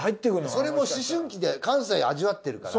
それも思春期で関西味わってるから。